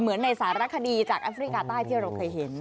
เหมือนในสารคดีจากแอฟริกาใต้ที่เราเคยเห็น